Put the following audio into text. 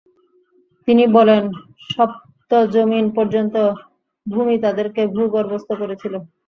তিনি বলেন, সপ্ত যমীন পর্যন্ত ভূমি তাদেরকে ভূগর্ভস্থ করেছিল।